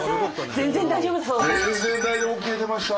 全然大丈夫ＯＫ出ました。